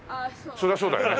そりゃそうだよね。